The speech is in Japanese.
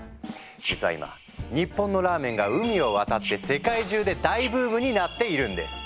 実は今日本のラーメンが海を渡って世界中で大ブームになっているんです。